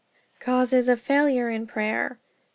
Causes of Failure in Prayer 1.